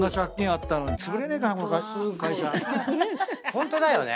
ホントだよね。